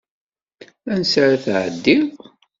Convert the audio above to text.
Ansa ara tɛeddiḍ?